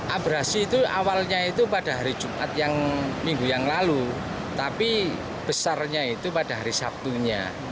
abrasi itu awalnya itu pada hari jumat yang minggu yang lalu tapi besarnya itu pada hari sabtunya